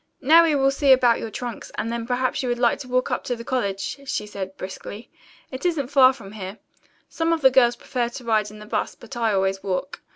"Now we will see about your trunks, and then perhaps you would like to walk up to the college," she said briskly. "It isn't far from here. Some of the girls prefer to ride in the bus, but I always walk.